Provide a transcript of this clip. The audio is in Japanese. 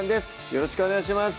よろしくお願いします